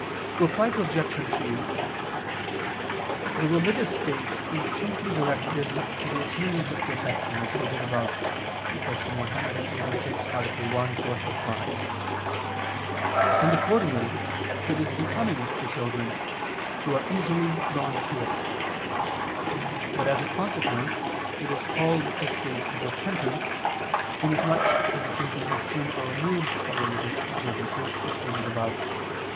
Reply Obj. 2: The religious state is chiefly directed to the atta[in]ment of perfection, as stated above (Q. 186, A. 1, ad 4); and accordingly it is becoming to children, who are easily drawn to it. But as a consequence it is called a state of repentance, inasmuch as occasions of sin are removed by religious observances, as stated above (Q.